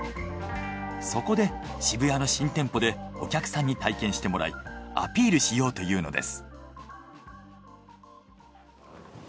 そこで渋谷の新店舗でお客さんに体験してもらいアピールしようというのです。